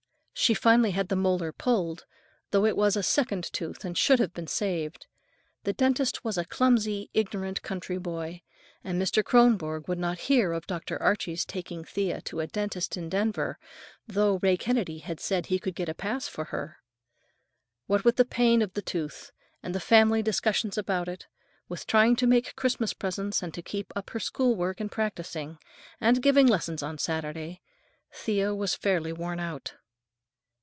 She finally had the molar pulled, though it was a second tooth and should have been saved. The dentist was a clumsy, ignorant country boy, and Mr. Kronborg would not hear of Dr. Archie's taking Thea to a dentist in Denver, though Ray Kennedy said he could get a pass for her. What with the pain of the tooth, and family discussions about it, with trying to make Christmas presents and to keep up her school work and practicing, and giving lessons on Saturdays, Thea was fairly worn out.